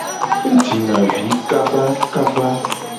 E jina vi kabakaba.